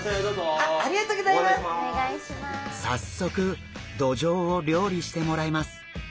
早速ドジョウを料理してもらいます。